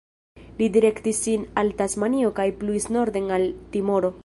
Li direktis sin al Tasmanio kaj pluis norden al Timoro.